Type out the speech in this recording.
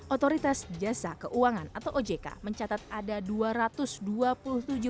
otoritas jasa keuangan atau ojk mencatat ada dua ratus dua puluh tujuh